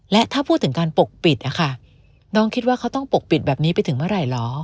และถ้าพูดถึงการปกปิดนะคะน้องคิดว่าเขาต้องปกปิดแบบนี้ไปถึงเมื่อไหร่เหรอ